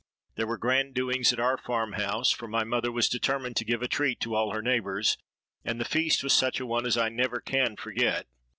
There were grand doings at our farm house, for my mother was determined to give a treat to all her neighbours;—and the feast was such a one as I never can forget.